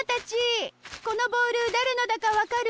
このボールだれのだかわかる？